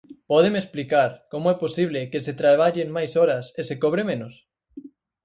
¿Pódeme explicar como é posible que se traballen máis horas e se cobre menos?